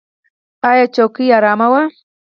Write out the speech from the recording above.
ایا څوکۍ ارامه وه؟